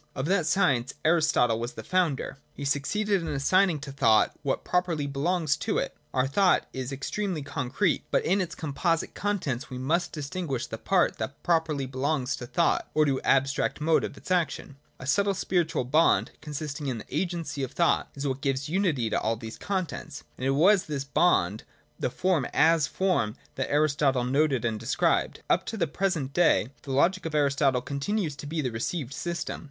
Of that science Aristotle was the founder. He succeeded in assigning to thought what properly belongs to it. Our thought is extremely concrete : but in its composite contents we must distinguish the part that properly belongs 40 PRELIMINARY NOTION. [20. to thought, or to the abstract mode of its action. A subtle spiritual bond, consisting in the agency of thought, is what gives unity to all these contents, and it was this bond, the form as form, that Aristotle noted and described. Up to the present day, the logic of Aristotle continues to be the re ceived system.